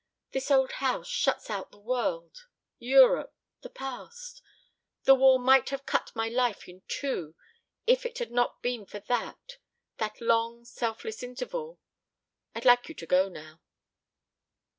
This old house shuts out the world Europe the past. The war might have cut my life in two. If it had not been for that that long selfless interval ... I'd like you to go now."